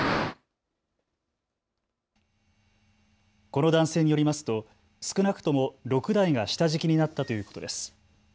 この男性によりますと少なくとも６台が下敷きになったということです。